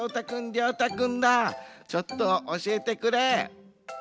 りょうたくんらちょっとおしえてくれ。